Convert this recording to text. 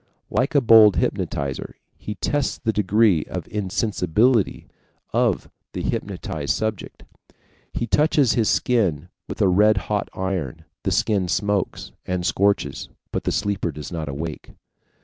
Like a bold hypnotizer, he tests the degree of insensibility of the hypnotized subject. He touches his skin with a red hot iron; the skin smokes and scorches, but the sleeper does not awake.